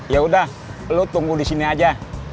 yaudah lo tunggu di sini aja